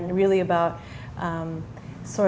dan itu mengenai